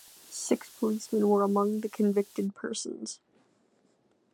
Six policemen were among the convicted persons.